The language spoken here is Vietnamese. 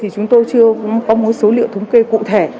chúng tôi chưa có một số liệu thống kê cụ thể